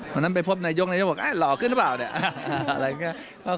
ครั้งนั้นไปพบนายโยคนายโยคบอกหล่อขึ้นหรือเปล่า